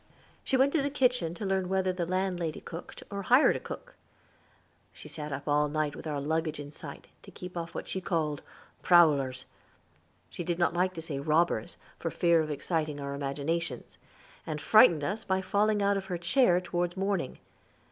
She went to the kitchen to learn whether the landlady cooked, or hired a cook. She sat up all night with our luggage in sight, to keep off what she called "prowlers" she did not like to say robbers, for fear of exciting our imaginations and frightened us by falling out of her chair toward morning.